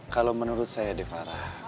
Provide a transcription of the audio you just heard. kalo menurut saya devara